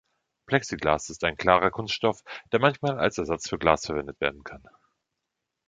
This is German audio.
Plexiglas ist ein klarer Kunststoff, der manchmal als Ersatz für Glas verwendet werden kann.